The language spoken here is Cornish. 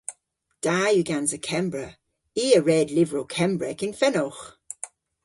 Da yw gansa Kembra. I a red lyvrow Kembrek yn fenowgh.